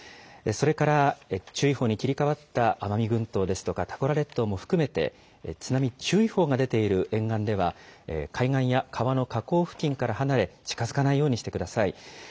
それから、注意報に切り替わった奄美群島ですとか、トカラ列島も含めて、津波注意報が出ている沿岸では、海岸や川の河口付近から離れ、近づかないようにしてください。